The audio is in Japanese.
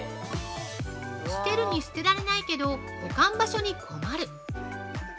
◆捨てるに捨てられないけど保管場所に困る